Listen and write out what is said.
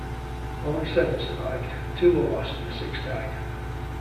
Only seven survived: two were lost, and six died.